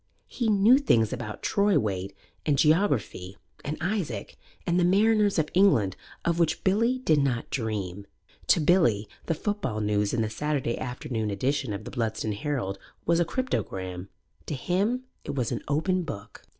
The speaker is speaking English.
He knew things about troy weight and geography and Isaac and the Mariners of England of which Billy did not dream. To Billy the football news in the Saturday afternoon edition of The Bludston Herald was a cryptogram; to him it was an open book.